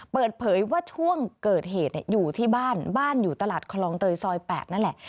เปิดเผยว่าช่วงเกิดเหตุอยู่ที่บ้านบ้านอยู่ตลาดคลองเตยซอย๘นั่นแหละ